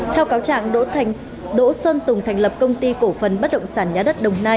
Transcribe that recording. theo cáo trạng đỗ sơn tùng thành lập công ty cổ phấn bất động sản nhà đất đồng nai